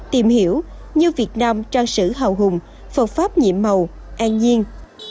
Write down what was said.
tìm hiểu như việt nam trang sử hào hùng phật pháp nhịm màu an nhiên